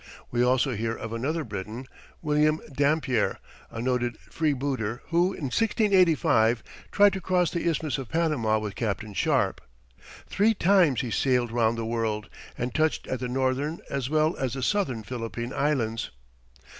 We also hear of another Briton, William Dampier, a noted free booter, who, in 1685, tried to cross the Isthmus of Panama with Captain Sharp. Three times he sailed round the world, and touched at the northern as well as the southern Philippine Islands.